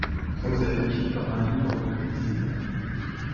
Prosaïque comme un livre de cuisine !